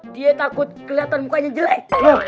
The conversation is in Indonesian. dia takut kelihatan mukanya jelek